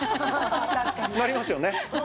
なりますよね。